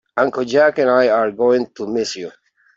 Uncle Jack and I are going to miss you.